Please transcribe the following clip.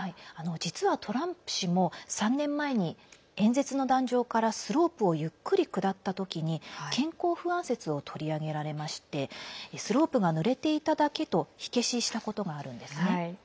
実は、トランプ氏も３年前に演説の壇上からスロープをゆっくり下った時に健康不安説を取り上げられましてスロープがぬれていただけと火消ししたことがあるんですね。